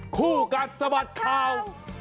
คู่กัดสะบัดข่าว